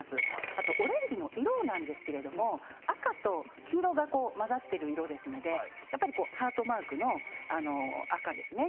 あと、オレンジの色なんですけど赤と黄色が混ざっている色ですのでハートマークの赤ですね。